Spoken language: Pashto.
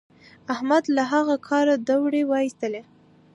احمد له هغه کاره دوړې واېستلې.